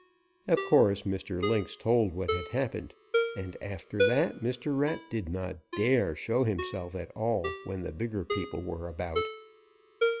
"Of course, Mr. Lynx told what had happened, and after that Mr. Rat did not dare show himself at all when the bigger people were about.